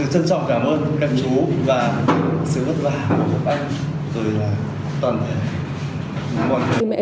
chân trọng cảm ơn các chú và sự vất vả của bọn anh tôi là toàn thể